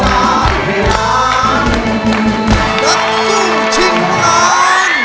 ลุ้นชิ้นตาม